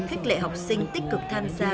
khích lệ học sinh tích cực tham gia